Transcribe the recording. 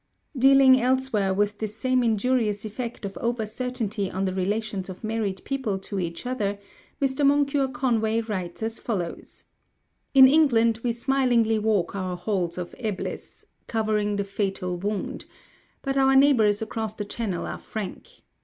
Dealing elsewhere with this same injurious effect of overcertainty on the relations of married people to each other, Mr. Moncure Conway writes as follows: "In England we smilingly walk our halls of Eblis, covering the fatal wound; but our neighbours across the Channel are frank.